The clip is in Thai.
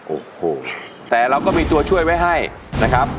โอ้โหแต่เราก็มีตัวช่วยไว้ให้นะครับ